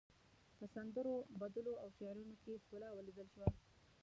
په سندرو، بدلو او شعرونو کې ښکلا وليدل شوه.